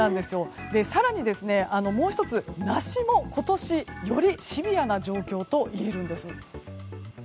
更に、もう１つ梨も今年、よりシビアな状況といえるんです。